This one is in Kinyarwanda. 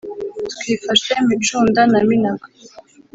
Twifashe micunda na minagwe